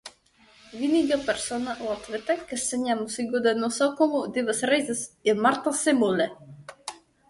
Vienīgā persona, latviete, kas saņēmusi goda nosaukumu divas reizes, ir Marta Semule.